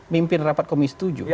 mimpin rapat komis tujuh